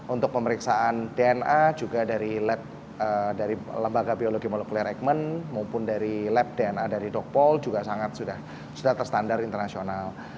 untuk pemeriksaan dna juga dari lab dari lembaga biologi molekuler eijkman maupun dari lab dna dari dokpol juga sangat sudah terstandar internasional